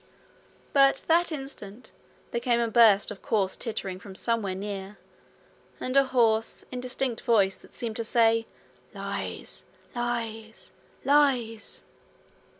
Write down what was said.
But that instant there came a burst of coarse tittering from somewhere near, and a hoarse indistinct voice that seemed to say: 'Lies! lies! lies!'